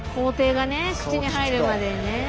口に入るまでにね。